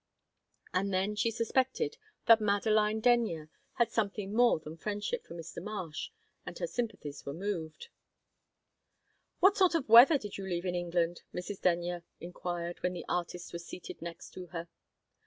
And then she suspected that Madeline Denyer had something more than friendship for Mr. Marsh, and her sympathies were moved. "What sort of weather did you leave in England?" Mrs. Denyer inquired, when the artist was seated next to her.